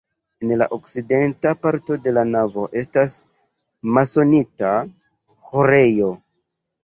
En okcidenta parto de la navo estas masonita ĥorejo.